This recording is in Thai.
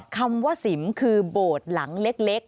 คำว่าสิมคือโบสถ์หลังเล็ก